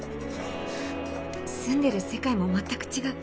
住んでる世界も全く違う。